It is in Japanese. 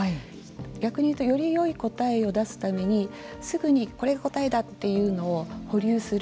逆に言うとよりよい答えを出すためにすぐにこれが答えだというのを保留する。